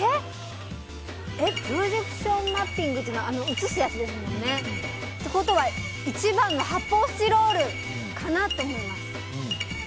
プロジェクションマッピングは映すやつですよね？ということは、１番の発泡スチロールかなって思います。